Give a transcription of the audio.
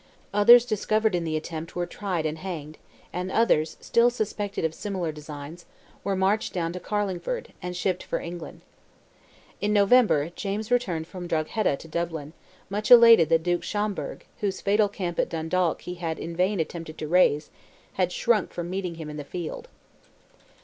Others discovered in the attempt were tried and hanged, and others, still suspected of similar designs, were marched down to Carlingford, and shipped for England. In November, James returned from Drogheda to Dublin, much elated that Duke Schomberg, whose fatal camp at Dundalk he had in vain attempted to raise, had shrunk from meeting him in the field.